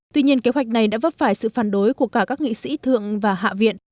tuy nhiên kế hoạch này đã vấp phải sự phản đối của cả các nghị sĩ thượng và hạ viện